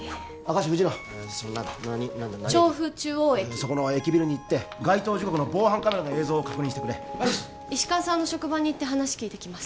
その駅ビルに行って該当時刻の防犯カメラの映像を確認してくれ石川さんの職場で話を聞きます